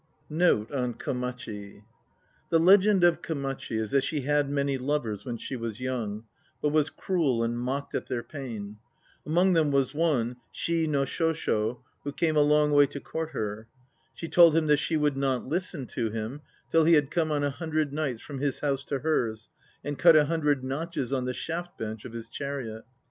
NOTE ON KOMACHI. THE legend of Komachi is that she had many lovers when she was young, but was cruel and mocked at their pain. Among them was one, Shii no Shosho, who came a long way to court her. She told him that she would not listen to him till he had come on a hundred nights from his house to hers and cut a hundred notches on the shaft bench of his chariot.